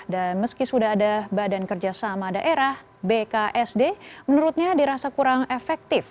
dan meski sudah ada badan kerjasama daerah bksd menurutnya dirasa kurang efektif